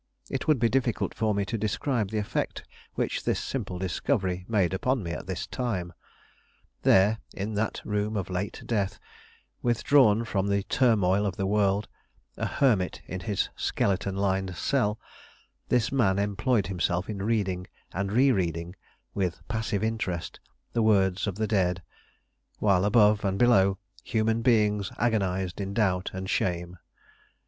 It would be difficult for me to describe the effect which this simple discovery made upon me at this time. There, in that room of late death, withdrawn from the turmoil of the world, a hermit in his skeleton lined cell, this man employed himself in reading and rereading, with passive interest, the words of the dead, while above and below, human beings agonized in doubt and shame.